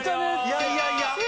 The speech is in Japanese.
いやいやいや